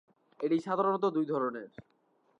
এটি সাধারনত দুই ধরনের।